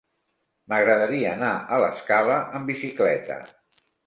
M'agradaria anar a l'Escala amb bicicleta.